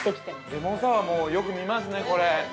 ◆レモンサワーも、よく見ますね、これ。